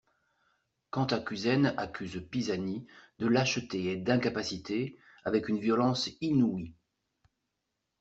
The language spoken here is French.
Cantacuzène accuse Pisani de lâcheté et d'incapacité avec une violence inouïe.